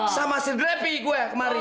sama si drepi gue kemari